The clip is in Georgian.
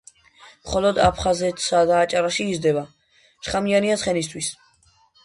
მხოლოდ აფხაზეთსა და აჭარაში იზრდება, შხამიანია ცხენისათვის.